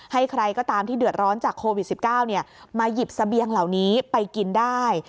ให้ใครก็ตามที่เดือดร้อนจากโควิด๑๙มาหยิบเสบียงเหล่านี้ไปกินได้